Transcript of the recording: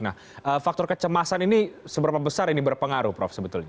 nah faktor kecemasan ini seberapa besar ini berpengaruh prof sebetulnya